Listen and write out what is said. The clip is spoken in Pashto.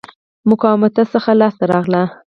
مقاومته څخه لاس اخلي.